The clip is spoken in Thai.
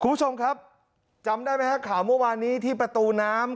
คุณผู้ชมครับจำได้ไหมฮะข่าวเมื่อวานนี้ที่ประตูน้ำ